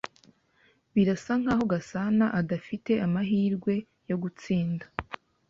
Birasa nkaho Gasanaadafite amahirwe yo gutsinda.